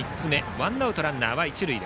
ワンアウトランナーは一塁。